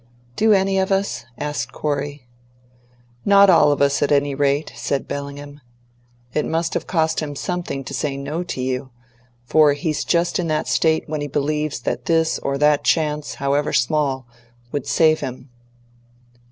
"Do any of us?" asked Corey. "Not all of us, at any rate," said Bellingham. "It must have cost him something to say no to you, for he's just in that state when he believes that this or that chance, however small, would save him."